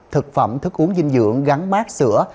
thực phẩm thức uống dinh dưỡng gắn mát sữa